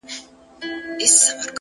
هوډ د نامعلومې لارې ملګری دی.!